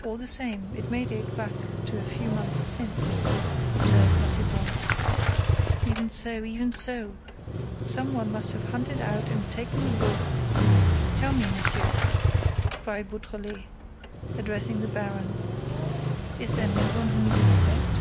"All the same, it may date back to a few months since," observed Massiban. "Even so—even so—some one must have hunted out and taken the book—Tell me, monsieur," cried Beautrelet, addressing the baron, "is there no one whom you suspect?"